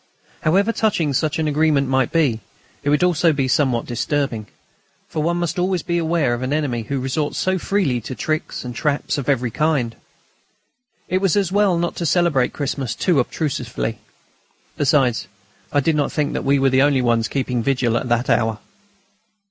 However touching such an agreement might be, it would also be somewhat disturbing, for one must always beware of an enemy who resorts so freely to tricks and traps of every kind. It was as well not to celebrate Christmas too obtrusively. Besides, I did not think we were the only ones keeping vigil at that hour.